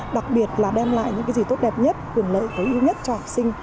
đặc biệt là đem lại những cái gì tốt đẹp nhất quyền lợi tối ưu nhất cho học sinh